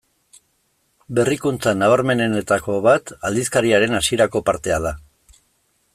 Berrikuntza nabarmenenetako bat aldizkariaren hasierako partea da.